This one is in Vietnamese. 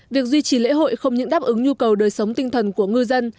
việc duy trì lễ hội không những đáp ứng nhu cầu đời sống tinh thần của ngư dân